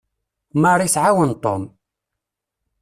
Mary tɛawen Tom.